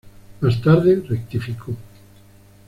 Más tarde rectificó.